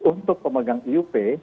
untuk pemegang iup